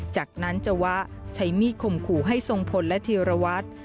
จากนั้นจวะใช้มีดข่มขู่ให้ทรงพลและธีรวัตร